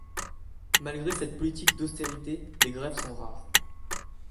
Malgré cette politique d’austérité, les grèves sont rares.